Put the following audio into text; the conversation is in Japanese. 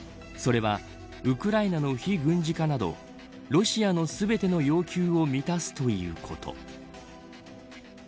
それはウクライナの非軍事化などロシアの全ての要求を満たすということ。